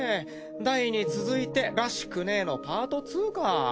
ダイに続いてらしくねえのパート２か。